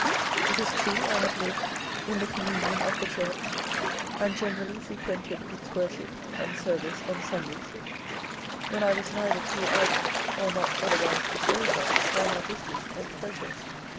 " It is true, I have lived in the communion of the churchy and generally frequented its worship and ser vice on Sundays, when 1 was neither too idle, or not otherwise disposed of by my business and pleasures.